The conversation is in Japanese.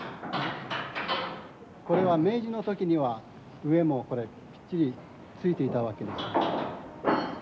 これは明治の時には上もこれぴっちりついていたわけです。